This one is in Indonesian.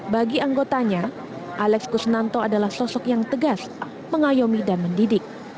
bagi anggotanya alex kusnanto adalah sosok yang tegas mengayomi dan mendidik